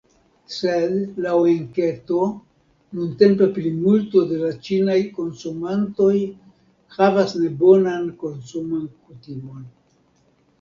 Sed, laŭ enketo, nuntempe plimulto de la ĉinaj konsumantoj havas nebonan konsuman kutimon.